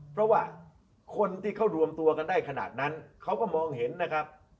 เพราะว่าคนที่เขารวมตัวกันได้ขนาดนั้นเขาก็มองเห็นนะครับ